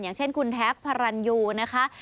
อย่างเช่นคุณแท็กพระรันยูนะคะ